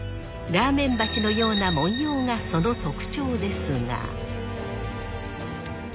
ラーメン鉢のような文様がその特徴ですが。